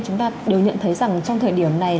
chúng ta đều nhận thấy rằng trong thời điểm này